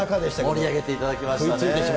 盛り上げていただきましたね。